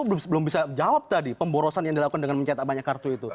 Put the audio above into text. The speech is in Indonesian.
saya belum bisa jawab tadi pemborosan yang dilakukan dengan mencetak banyak kartu itu